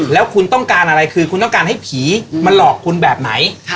แล้วคุณต้องการอะไรคือคุณต้องการให้ผีมาหลอกคุณแบบไหน